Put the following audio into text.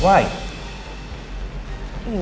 gak kepo tapi